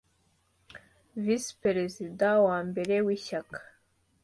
Visi Perezida wa mbere w Ishyaka